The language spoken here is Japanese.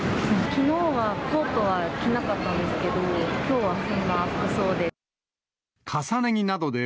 きのうはコートは着なかったんですけど、きょうはこんな服装で。